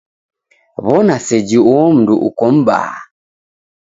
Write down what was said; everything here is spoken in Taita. Wona seji uo mundu uko m'baa